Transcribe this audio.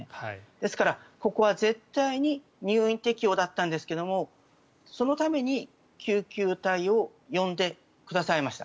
ですから、ここは絶対に入院適用だったんですがそのために救急隊を呼んでくださいました。